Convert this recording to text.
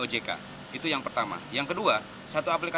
semua tangan diatas